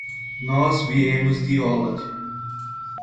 Nós viemos de Olot.